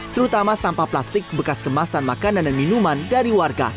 terutama sampah plastik bekas kemasan makanan dan minuman dari warga